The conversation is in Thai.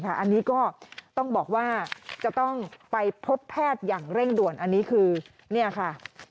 อันนี้ก็ต้องบอกว่าจะต้องไปพบแพทย์อย่างเร่งด่วนอันนี้คือนี่ค่ะ